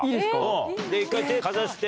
うん１回手かざして。